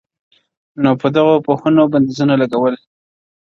نو پر دغو پوهنو بندیزونه لګول